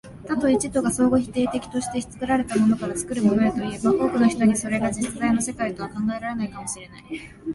多と一とが相互否定的として、作られたものから作るものへといえば、多くの人にはそれが実在の世界とは考えられないかも知れない。